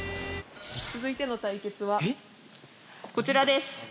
続いての対決はこちらです。